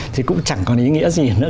thì cũng chẳng còn ý nghĩa gì nữa